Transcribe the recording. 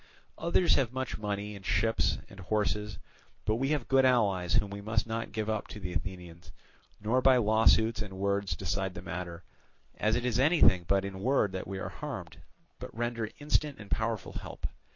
Others have much money and ships and horses, but we have good allies whom we must not give up to the Athenians, nor by lawsuits and words decide the matter, as it is anything but in word that we are harmed, but render instant and powerful help.